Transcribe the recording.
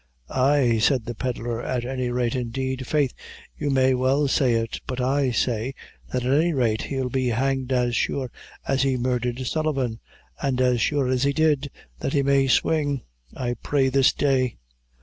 "Ay," said the pedlar, "at any rate, indeed faith, you may well say it; but I say, that at any rate he'll be hanged as sure as he murdhered Sullivan, and as sure as he did, that he may swing, I pray this day!"